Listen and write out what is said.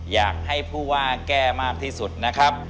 อยากให้ผู้ว่าแก้มากที่สุดนะครับ